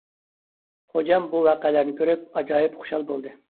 خوجام بۇ ۋەقەلەرنى كۆرۈپ ئاجايىپ خۇشال بولدى.